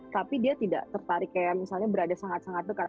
tapi dia tidak tertarik kayak misalnya berada sangat sangat dekat